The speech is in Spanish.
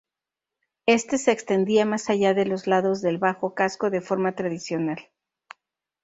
Este se extendía más allá de los lados del bajo casco de forma tradicional.